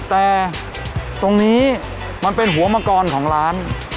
แต่ตรงนี้มันเป็นหัวมังกรของร้าน